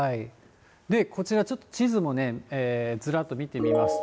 こちら、ちょっと地図もずらっと見てみますと。